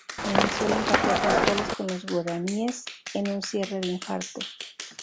Venezuela empató a tres goles con los guaraníes en un cierre de infarto.